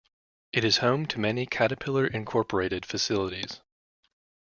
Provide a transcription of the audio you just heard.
It is home to many Caterpillar Incorporated facilities.